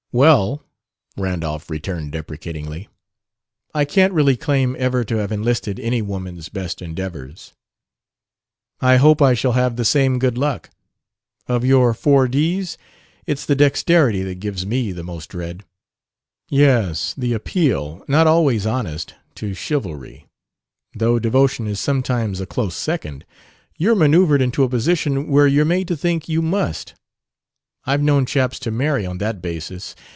"Well," Randolph returned deprecatingly, "I can't really claim ever to have enlisted any woman's best endeavors." "I hope I shall have the same good luck. Of your four d's, it's the dexterity that gives me the most dread." "Yes, the appeal (not always honest) to chivalry, though devotion is sometimes a close second. You're manoeuvred into a position where you're made to think you 'must.' I've known chaps to marry on that basis....